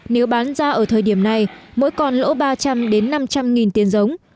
nếu bán ra ở thời điểm này mỗi con lỗ ba trăm linh năm trăm linh nghìn tiền giống